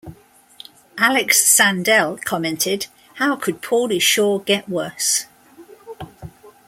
Alex Sandell commented How could Pauly Shore get worse?!?